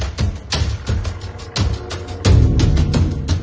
แล้วก็พอเล่ากับเขาก็คอยจับอย่างนี้ครับ